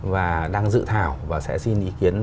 và đang dự thảo và sẽ xin ý kiến